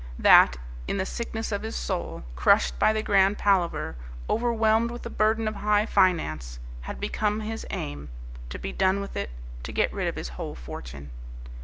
That, in the sickness of his soul, crushed by the Grand Palaver, overwhelmed with the burden of high finance, had become his aim, to be done with it, to get rid of his whole fortune.